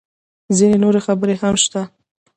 _ځينې نورې خبرې هم شته.